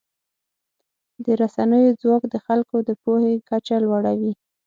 د رسنیو ځواک د خلکو د پوهې کچه لوړوي.